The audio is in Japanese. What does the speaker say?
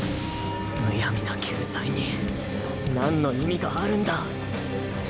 むやみな救済になんの意味があるんだ。